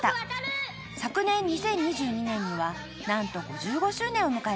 ［昨年２０２２年には何と５５周年を迎えました］